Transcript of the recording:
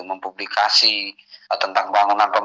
mempublikasi tentang bangunan pemerintahnya